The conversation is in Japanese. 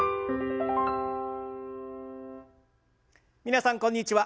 皆さんこんにちは。